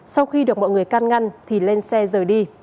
sau khi được mọi người can ngăn thì lên xe rời đi